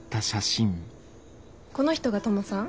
この人がトモさん？